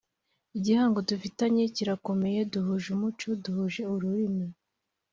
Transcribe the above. ’’Igihango dufitanye kirakomeye ; duhuje umuco duhuje ururimi